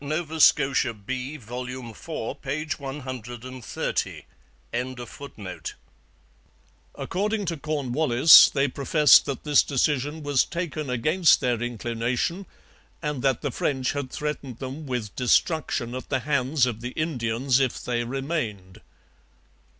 Nova Scotia B, vol. iv, p. 130.] According to Cornwallis, they professed that this decision was taken against their inclination, and that the French had threatened them with destruction at the hands of the Indians if they remained.